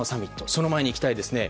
その前に行きたいですね。